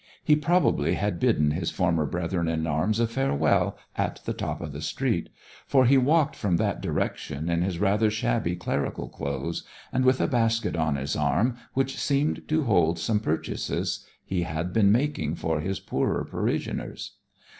He probably had bidden his former brethren in arms a farewell at the top of the street, for he walked from that direction in his rather shabby clerical clothes, and with a basket on his arm which seemed to hold some purchases he had been making for his poorer parishioners.